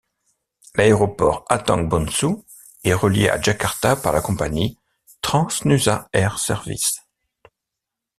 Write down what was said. L'aéroport Atang Bungsu est relié à Jakarta par la compagnie TransNusa Air Services.